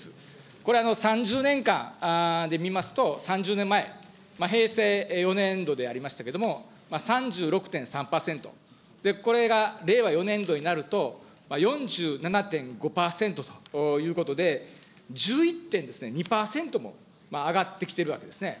これ、３０年間で見ますと、３０年前、平成４年度でありましたけれども、３６．３％、これが令和４年度になると、４７．５％ということで、１１．２％も上がってきてるわけですね。